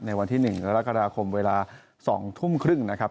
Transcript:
วันที่๑กรกฎาคมเวลา๒ทุ่มครึ่งนะครับ